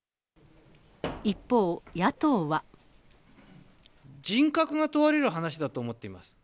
一方、野党は。人格が問われる話だと思っています。